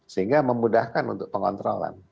sehingga memudahkan untuk pengontrolan